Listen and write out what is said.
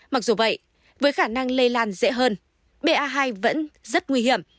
mặc dù vậy với khả năng lây lan dễ hơn ba vẫn rất nguy hiểm